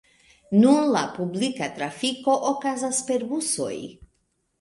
Nun la publika trafiko okazas per busoj.